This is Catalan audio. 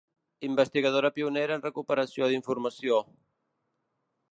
Investigadora pionera en recuperació d'informació.